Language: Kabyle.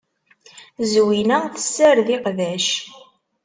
Zwina tessared iqbac.